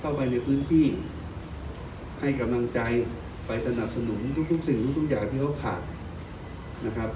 เข้าไปในพื้นที่ให้กำลังใจไปสนับสนุนทุกทุกสิ่งทุกอย่างที่เขาขาดนะครับ